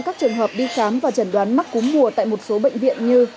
các trường hợp đi khám và chẩn đoán mắc cúm mùa tại một số bệnh viện như